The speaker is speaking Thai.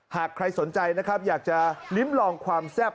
หากใครสนใจนะครับอยากจะลิ้มลองความแซ่บ